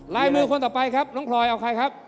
ลายมือคนต่อไปครับน้องพลอยเอาใครครับ